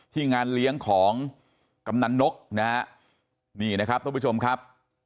งานเลี้ยงของกำนันนกนะฮะนี่นะครับทุกผู้ชมครับ